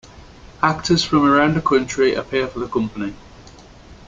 Actors from around the country appear for the Company.